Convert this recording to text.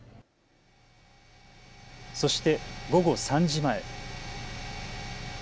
そして午後３時前。